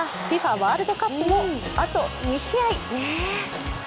ワールドカップもあと２試合。